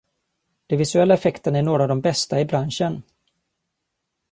De visuella effekterna är några av de bästa i branschen.